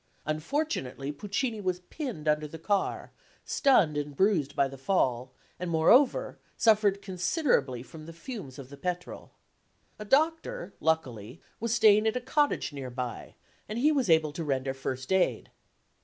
Unfortunately, Puccini was pinned under the car, stunned and bruised by the fall; and, moreover, suffered considerably from the fumes of the petrol. A doctor, luckily, was staying at a cottage near by, and he was able to render first aid.